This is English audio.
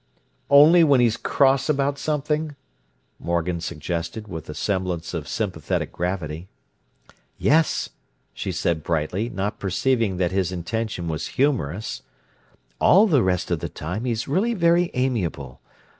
"Only when he's cross about something?" Morgan suggested, with a semblance of sympathetic gravity. "Yes," she said brightly, not perceiving that his intention was humorous. "All the rest of the time he's really very amiable.